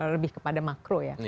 lebih kepada makro ya